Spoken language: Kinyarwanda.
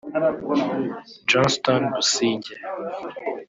Johnston Businjye